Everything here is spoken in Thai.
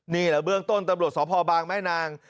นี่แหละเบื้องต้นตำรวจสพบางแม่นาง